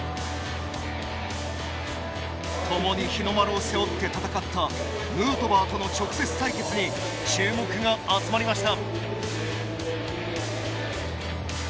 共に日の丸を背負って戦ったヌートバーとの直接対決に注目が集まりました。